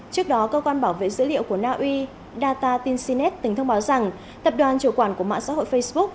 trước đó cơ quan bảo vệ dữ liệu của naui data tinsinet tính thông báo rằng tập đoàn chủ quản của mạng xã hội facebook